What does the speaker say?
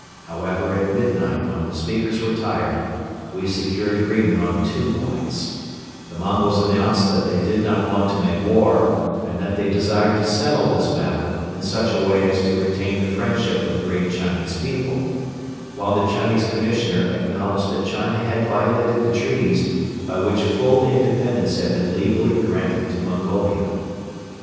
However, at midnight when the speakers were tired, we secured agreement on two points: the Mongols announced that they did not want to make war and that they desired to settle this matter in such a way as to retain the friendship of the great Chinese people; while the Chinese Commissioner acknowledged that China had violated the treaties by which full independence had been legally granted to Mongolia.